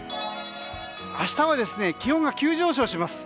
明日は気温が急上昇します。